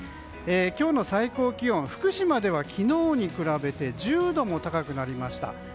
今日の最高気温、福島では昨日に比べて１０度も高くなりました。